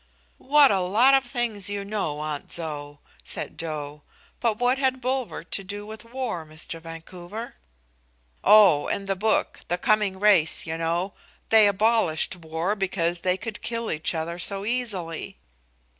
"What a lot of things you know, Aunt Zoë!" said Joe. "But what had Bulwer to do with war, Mr. Vancouver?" "Oh, in the book the 'Coming Race,' you know they abolished war because they could kill each other so easily."